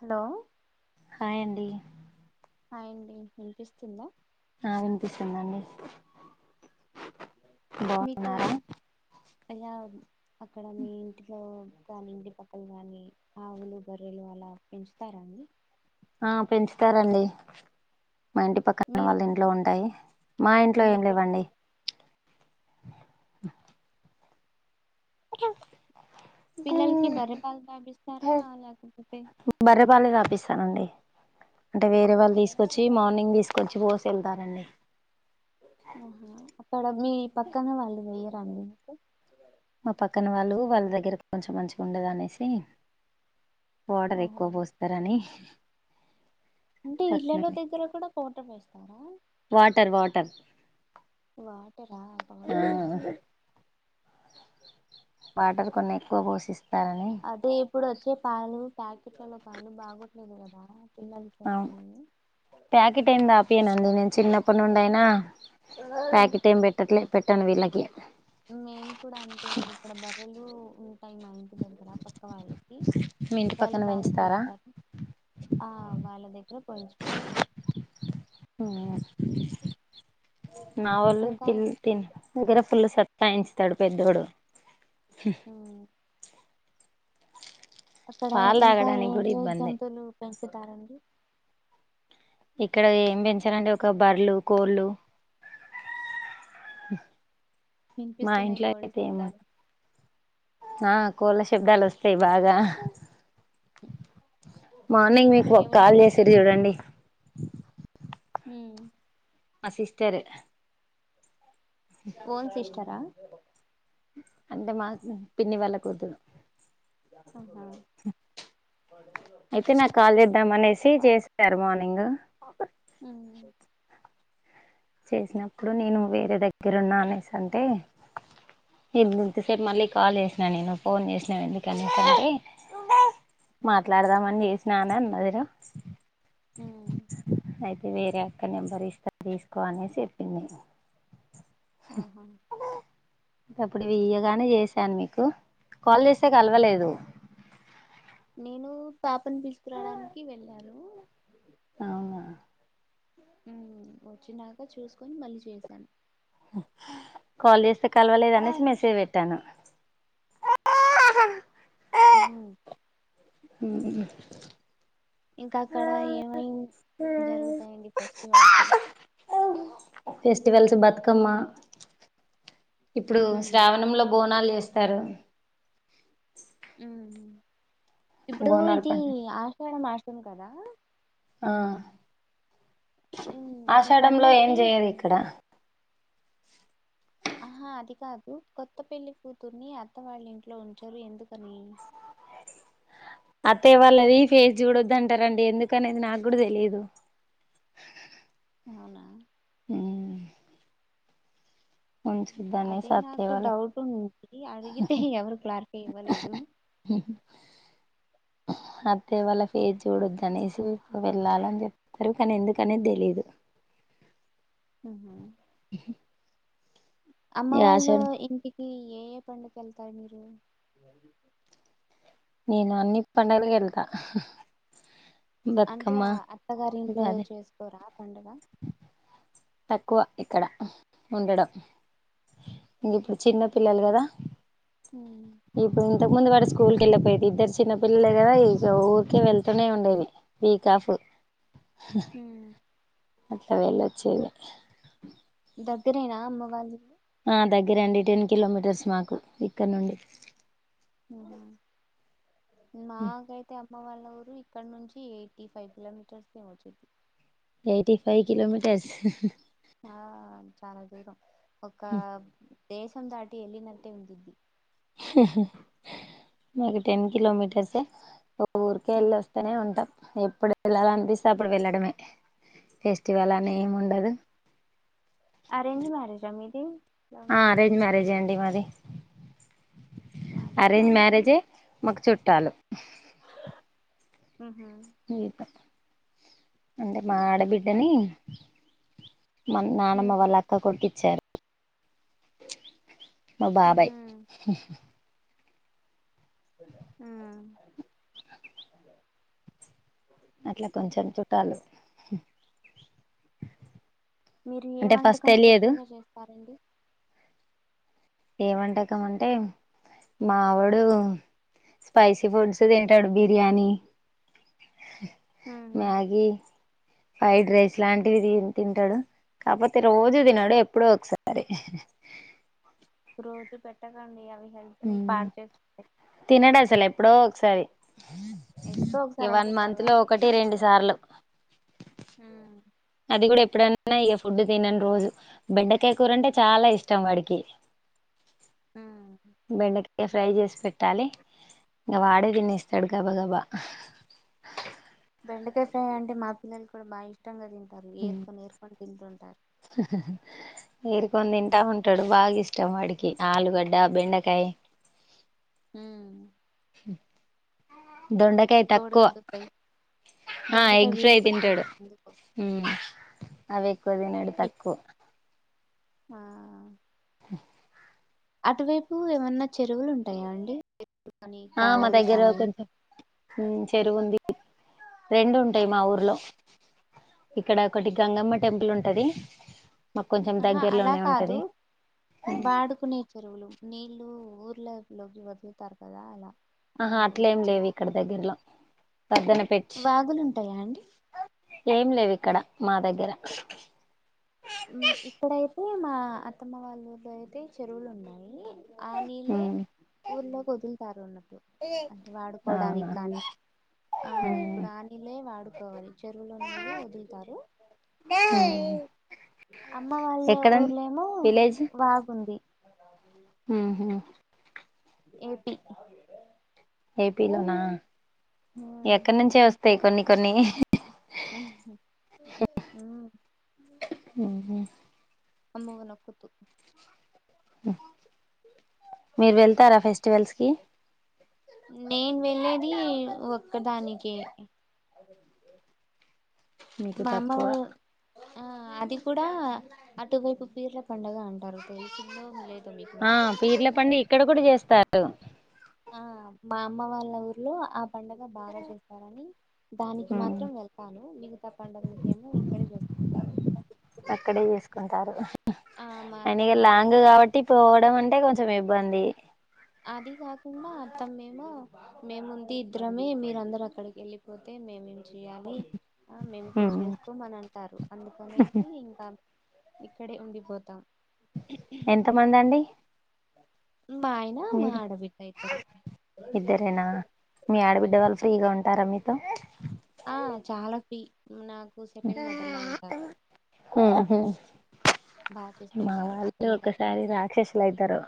Hello hi అండి హయండి వినిపిస్తుందా ఆ వినిపిస్తుందండి మీకు బాగున్నారా అలా అక్కడ మీ ఇంటిలో కానీ ఇంటిపక్కలు గాని ఆవులు గొర్రెలు అలా పెంచుతారండి ఆ పెంచుతారండి మా ఇంటి పక్కన మీరు వాళ్ళ ఇంట్లో ఉంటాయి మా ఇంట్లో ఏం మీరు పె- లేవండి పిల్లలకి బర్రె పాలు తాపిస్తారా లేకపోతే బర్రెపాలే తాపిస్తానండి అంటే వేరే వాళ్ళు తీసుకొచ్చి మార్నింగ్ తీసుకొచ్చి పోసి వెళ్తారండి ఆహా అక్కడ మీ పక్కన వాళ్ళు పోయ్యరాండి మీకు మా పక్కన వాళ్ళు వాళ్ళ దగ్గర కొంచెం మంచిగా ఉండదనేసి వాటర్ ఓహో ఎక్కువ పోస్తారని అంటే తక్కువ ఇళ్లలో దగ్గర కూడా పౌడర్ వేస్తారా వాటర్ వాటర్ వాటర్ ఆ పౌడర్ అన్నట్టుంది వాటర్ కొన్ని ఎక్కువ పోషిస్తారని అదే ఇప్పుడు వచ్చే పాలు ప్యాకెట్లలో పాలు బాగోట్లేదు కదా పిల్లలకి ఎలా ప్యాకెట్ ఏమి తాపియానండి నేను చిన్నప్పటి నుంచి అయినా ప్యాకెట్ ఏం పెట్టట్లే పెట్టను వీళ్ళకి మేమ్ కూడా అంతే అండి ఇక్కడ బర్రెలు ఉంటాయి మా ఇంటి దగ్గర పక్క వాళ్ళు కి మీ ఇంటి వాళ్ళు పక్కన బానే పెంచుతారా పోస్తారు ఆ వాళ్ళ దగ్గర పోయించుకుంటాం మ్మ్ నావల్ ఇంకా తిన్ తిన్ దగ్గర పుల్లు సత్తాయించుతాడు పెద్దోడు మ్మ్ అక్కడ పాలు ఇంకా ఏ తాగడానికి కూడా ఏ ఇబ్బందే జంతువులు పెంపుతారండి ఇక్కడ ఏం పెంచరండి ఒక బర్లు కోళ్ళు మా వినిపిస్తున్నాయి ఇంట్లో కోళ్ళు అయితే ఏం శబ్దాలు ఉండవు ఆ కోళ్ళ శబ్దాలు వస్తాయి బాగా మీ మార్నింగ్ ఇంట్లో మీకు ఒక కాల్ ఏముండవా చేసింటి చూడండి మ్మ్ మా సిస్టర్ ఓన్ సిస్టరా అంటే మా పిన్ని వాళ్ళ కూతురు మ్మ్ హు అయితే నాకు కాల్ చేద్దాం అనేసి చేసినారు మార్నింగ్ మ్మ్ చేసినప్పుడు నేను వేరే దగ్గర ఉన్నా అనేసి అంటే ఇపుడు రేప్ మళ్ళీ కాల్ చేసినా నేను ఫోన్ చేసినాను ఎందుకని అంటే మాట్లాడదామని చేసిన అని అన్నదిరా మ్మ్ అయితే వేరే అక్క నెంబర్ ఇస్త తీసుకో అనేసి చెప్పింది ఇగ ఆహా అప్పుడు ఇది ఇయ్యగానే చేసాను మీకు కాల్ చేసే కలవలేదు నేను పాపను తీసుకురాడానికి వెళ్ళాను అవునా మ్మ్ వచ్చినాక చూసుకొని మళ్ళీ చేసాను కాల్ చేస్తే కలవలేదు అనేసి మెసేజ్ పెట్టాను మ్మ్ మ్మ్ ఇంకా అక్కడ ఏమై జరుగుతాయండి ఫెస్టివల్స్ ఫెస్టివల్స్ బతుకమ్మ ఇప్పుడు శ్రావణంలో బోనాలు చేస్ తారు మ్మ్ ఇప్పుడు బోనాలు ఇది పండుగ ఆషాఢ మాసం కదా ఆ ఈ ఆషాడంలో ఏం పండగకి చెయరు ఇక్కడ ఆహా అది కాదు కొత్త పెళ్లి కూతుర్ని అత్తవాళ్ళ ఇంట్లో ఉంచరు ఎందుకని అత్తయ్య వాళ్ళది ఫేస్ చూడొదు అంటారండి ఎందుకనేది నాకు కూడా తెలీదు అవునా మ్మ్ అదే అనేసి అత్తయ్య నాకు వాళ్ళ డౌట్ ఉన్నింది అడిగితే ఎవరు క్లారిటీ ఇవ్వలేదు మ్మ్ హు అత్తయ్య వాల్ల ఫేస్ చూడొదు అనేసి వెళ్ళాలని చెప్ తారు కాని ఎందుకనేది తెలీదు మ్మ్ హు ఉ అమ్మ వాళ్ళు ఇంటికి ఏ ఏ పండుకు వెళ్తారు మీరు నేను అన్ని పండుగలు కి వెళ్తా అంటే బతుకమ్మ అత్తగారి ఇంట్లో ఉగాది చేసుకోరా పండుగ తక్కువ ఇక్కడ ఉండడం ఇంక ఇప్పుడు చిన్న పిల్లలు కదా హ్మ్ ఇప్పుడు ఇంతకు ముందు వాడు స్కూల్ కి వెళ్ళపోయది ఇద్దరు చిన్న పిల్లలే కదా ఇక ఊరికే వెళ్తూనే ఉండేది వీక్ ఆఫ్ హ్మ్ అట్లా వెేళ్ళొచ్చేది దగ్గరేనా అమ్మ వాళ్ళు ఇల్లు ఆ దగ్గరే అండి టెన్ కిలోమీటర్స్ మాకు ఇక్కడ నుండి హ్మ్ మాకు ఐతే అప్ అమ్మ వాళ్ళ ఊరు ఇక్కడ నుంచి ఎయిటీ ఫైవ్ కిలోమీటర్స్ తే వచ్చది ఎయిటీ ఫైవ్ కిలోమీటర్స్ ఆ చాలా దూరం ఒక దేశం దాటి వెళ్ళినట్టే ఉందిది మాకి టెన్ కిలోమీటర్సే ఒక్ ఊరికే వెళ్ళి వస్తేనే ఉంటాం ఎప్పుడు వెళ్లాలీ అనిపిస్తే అప్పుడు వెళ్ళడమే ఫెస్టివల్ అని ఏమి ఉండదు ఆరెంజ్ మ్యారేజా మీది లవ్ ఆ మ్యారేజా అరేంజ్ మ్యారేజే అండి మాది మాది కూడా అరేంజ్ అదే మ్యారేజే మాకు చుట్టాలు ఉహు అంటే మా ఆడబిడ్డని మ నానమ్మ వాళ్ళ అక్క కొడుకి ఇచ్చారు మా బాబాయ్ ఉహు హ్మ్ అట్లా కొంచెం చుట్టాలు మీరు ఏ అంటే ఫస్ట్ వంటకం తెలియదు స్పెషల్ గా చేస్తారండి ఏ వంటకం అంటే మావోడు స్పైసీ ఫుడ్స్ తింటాడు బిర్యానీ ఉ మ్యాగీ ఫ్రైడ్ రైస్ లాంటివి తిన్ తింటాడు కాకపోతే రోజూ తినడు ఎప్పుడో ఒకసారి రోజు పెట్టకండి అవి హెల్త్ని మ్మ్ పాడ్ చేస్ తినడు అసల్ ఎప్పుడో ఒకసారి ఎప్పుడో ఒకసారి ఈ వన్ అయితే మంత్ లో పర్వాలి ఒకటి రెండు సార్లు హ్మ్ అది కూడా ఎప్పుడన్నా ఇక ఫుడ్ తినని రోజు బెండకాయ కూర అంటే చాలా ఇష్టం వాడికి హ్మ్ బెండకాయ ఫ్రై చేస్ పెట్టాలి ఇంగా వాడే తినేస్తాడు గబా గబా బెండకాయ ఫ్రై అంటే మా పిల్లలు కూడా బాగా ఇష్టంగా తింటారు ఏరుకొని ఏరుకొని తింటుంటారు ఏరుకొని తింటా ఉంటాడు బాగ ఇష్టం వాడికి ఆలుగడ్డ బెండకాయ్ హ్మ్ దొండకాయ్ తక్కువ కోడిగుడ్డు ఫ్రై ఆ దొండకాయ ఎగ్ ఫ్రై వీళ్ళు కూడా తింటాడు తీసుకు హు అవి ఎక్కువ తిన్నడు తక్కువ్ ఆ హు అటువైపు ఏమన్నా చెరువులు ఉంటాయా అండి వాగులు కానీ కాలవలు కానీ ఉ చెరువు ఉంది రెండు ఉంటాయి మా ఊర్లో ఇక్కడ ఒకటి గంగమ్మ టెంపుల్ ఉంటది మాకు కొంచెం ఆహా అలా దగ్గరలోనే కాదు ఉంటది వాడుకునే చెరువులు నీళ్ళులు ఊర్లలో లోకి వదులుతారు కదా అలా ఆహా అలా ఉ అట్లేం లేవు చేరువు ఇక్కడ దగ్గరలో పద్దన పెట్టి వాగులుంటాయా అండి ఏం లేవ్ ఇక్కడ మా దగ్గర ఇక్కడయితే మా అత్తమ్మ వాళ్ళ ఊర్లో అయితే చెరువులు ఉన్నాయి ఆ నీళ్ళే ఊర్లోకి వదులుతారు అన్నట్టు అంటే అవునా వాడుకోవడానికి కానీ ఆ ఇప్పుడు ఆ నీళ్లే వాడుకోవాలి చెరువులో నీళ్ళు వదులుతారు ఆ అమ్మ వాళ్ల ఊర్లేమో వాగు ఉంది ఉహు ఏపీ ఏపీలోనా ఎక్క నుంచే వస్తయి కొన్ని కొన్ని ఉ ఉహు అమ్మో నాకొద్దు మీర్ వెళ్తారా ఫెస్టివల్స్ కి నేను వెళ్ళేది ఒక్కదానికే మీకు మా అమ్మ తక్కువ ఉ ఆ అది కూడా అటువైపు పీర్ల పండుగ అంటారు తెలుసిందో ఆ పీర్ల పండగ ఇక్కడ గూడా చేస్తారు ఆ మా అమ్మ వాళ్ళ ఊర్లో ఆ పండగ బాగా చేస్తారని దానికి మాత్రం వెళ్తాను మిగతా పండుగల కె ఏమో ఇక్కడే చేస్తా అక్కడే చేసుకుంటారు ఆ మా అయినా ఇగా అత్తమ్మ అంటారు లాంగ్గా పోవడం అంటే కొంచెం ఇబ్బంది అది గాకుండా అత్తమ మేము మేముంది ఇద్దరమే మీర అందరు అక్కడికి ఎ ళ్ళిపోతే మేము చేయాలి ఆ మేము కూడా చేసుకోమని అంటారు అందుకనేసి ఇంకా ఇక్కడే ఉండిపోతాం ఎంత మంది అండి మా ఆయన మా మీరు ఆడబిడ్డ ఇద్దరే ఇద్దరేనా మీ ఆడబిడ్డ ఉమ్. వాళ్ళు ఫ్రీగా ఉంటారా మీతో ఆ చాలా ఫ్రీ నాకు సెకండ్ మదర్ లా ఉంటారు ఉహు బాగా మా చూసుకుంటారు వాళ్ళు అత్తమ్మగా ఒకసారి రాక్షసులు అయితారు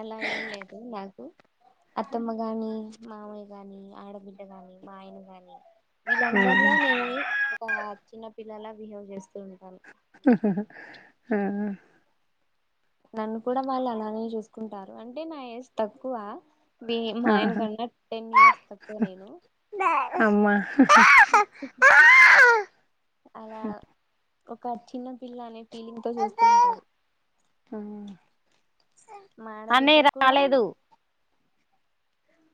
అలా ఏం లేదు నాకు అత్తమ్మ గాని మామయ్య గాని ఆడబిడ్డ గాని మా ఆయనగాని వీళ్ళందరిలో నేను ఒక చిన్న పిల్లలా బిహేవ్ చేస్తూ ఉంటాను హ ఆ నన్ను కూడా వాళ్ళు అలానే చూసుకుంటారు అంటే నా ఏజ్ తక్కువ బి మా ఆయన ఆహా కన్నా టెన్ ఇయర్స్ తక్కువ నేను అమ్మా హ బ అలా ఒక చిన్న పిల్ల అనే ఫీలింగ్‌తో చూస్తూ ఉంటారు ఆ మా ఆడబిడ్డకు కూడా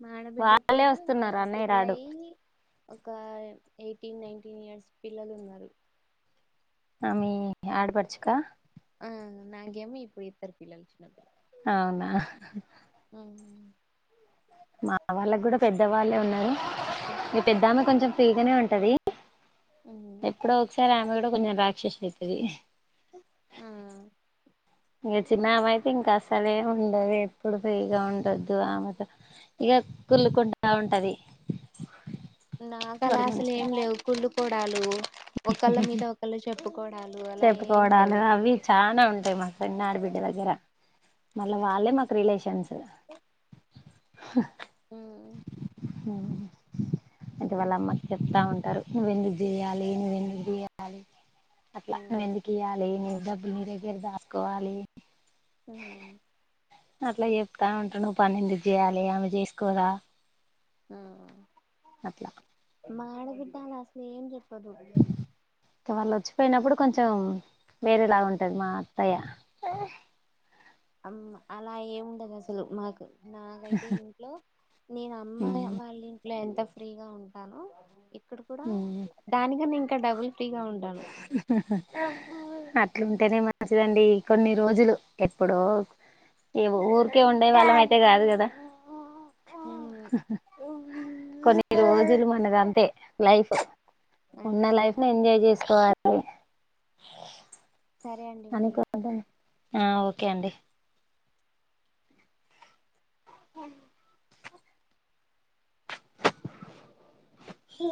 మా ఆడబిడ్డకు వాళ్ళే కూడా వస్తున్నారు అన్నయ్య రాడు పెళ్లయి ఒక ఎయిటీన్ నైన్టీన్ ఇయర్స్ పిల్లలు ఉన్నారు ఆ మీ ఆడపడుచుక ఆ నాకేమీ ఇప్పుడు ఇద్దరు పిల్లలు చిన్న పిల్ల అవునా ఉమ్మ్ మా వాళ్ళకు కూడా పెద్ద వాళ్ళే ఉన్నారు మీ పిల్లలు పెద్దమే కొంచెం ఫ్రీగానే ఉంటది ఎప్పుడో ఒకసారి ఆమె కూడా కొంచెం రాక్షసి అయితది ఇంగ చిన్నమె అయితే ఇంకా అసలే ఉండదు ఎప్పుడు ఫ్రీగా ఉండద్దు ఆమెతో ఇక కుల్లుకుంటా ఉంటంది నాకు అలా అసలు ఏం లేవు కుళ్ళుకోడాలు ఒకళ్ళ మీద ఒకళ్ళు చెప్పుకోడాలు అలా ఏం చెప్పుకోవడాలు లేవు అవి చానా ఉంటాయి మా సైడ్ ఆడ బిడ్డ దగ్గర మళ్ళా వాళ్ళే మాకు రిలేషన్స్ ఓ అ ఉమ్మ్ ఉమ్మ్ అయితే వాళ్ళ అమ్మకి చెప్తా ఉంటారు నువ్వెందుకు చేయా లి నువ్వు ఎందుకు చేయలి అట్లా నువ్వెందుకు ఇయ్యాలి నీ డ బ్బు నీ దగ్గర దాసుకోవాలి ఆహ్ అట్లా చెప్తా ఉంటు నువ్వు పని ఎందుకు చేయాలే ఆమె చేసుకోదా ఉమ్మ్ అట్లా మా ఆడబిడ్డ అలా అసలు ఏం చెప్పదు ఇక వాళ్ళు వచ్చిపోయినప్పుడు కొంచెం వేరేలాగా ఉంటది మా అత్తయ్య ఆమ్ అలా ఏముండదు అసలు మాకు నాకైతే ఇంట్లో నేను అమ్మ ఉమ్ య్యా వాళ్ళింట్లో ఎంత ఫ్రీగా ఉంటానో ఇక్కడ కూడా దానికన్నా ఇంకా డబుల్ ఫ్రీగా ఉంటాను అట్లుంటేనే మంచిదండి కొన్ని రోజులు ఎప్పుడో ఏ ఊరికే ఉండేవాళ్ళం అయితే కాదు కదా ఉమ్మ్ కొన్ని రోజులు మనది అంతే లైఫ్ ఉన్న అంతే లైఫ్ ని ఎంజాయ్ చేసుకోవాలి సరే అండి అని మరి ఆ ఓకే అండి అకన్ హీ